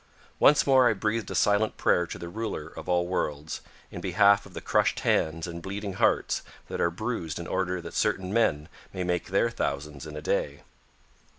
Once more I breathed a silent prayer to the Ruler of all worlds in behalf of the crushed hands and bleeding hearts that are bruised in order that certain men may make their thousands in a day.